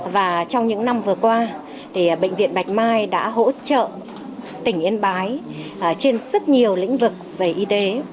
và trong những năm vừa qua bệnh viện bạch mai đã hỗ trợ tỉnh yên bái trên rất nhiều lĩnh vực về y tế